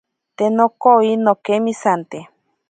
Te nokowi nokemisante.